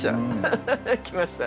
きました？